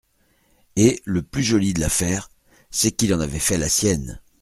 Et, le plus joli de l'affaire, c'est qu'il en avait fait la sienne.